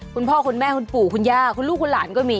คุณพ่อคุณแม่คุณปู่คุณย่าคุณลูกคุณหลานก็มี